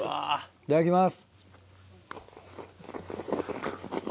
いただきます。